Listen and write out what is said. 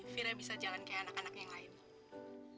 firah bisa jalan kayak anak anak yang lain